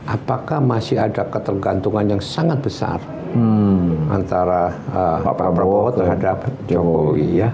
apakah masih ada ketergantungan yang sangat besar antara pak prabowo terhadap jokowi